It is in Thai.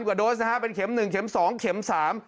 กว่าโดสนะฮะเป็นเข็มหนึ่งเข็มสองเข็มสาม